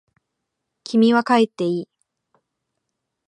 君は帰っていい。